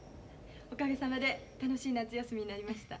おかげさまで楽しい夏休みになりました。